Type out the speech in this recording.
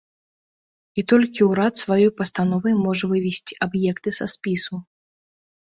І толькі ўрад сваёй пастановай можа вывесці аб'екты са спісу.